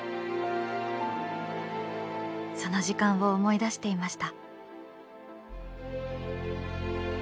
その時間を思い出していました。